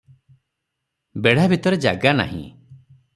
ବେଢ଼ା ଭିତରେ ଜାଗା ନାହିଁ ।